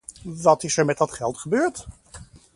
Wat is er met dat geld gebeurd?